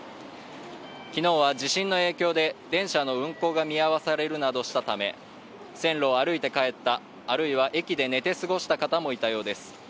昨日は地震の影響で電車の運行が見合わされるなどしたため、線路を歩いて帰った、あるいは駅で寝て過ごした方もいたようです。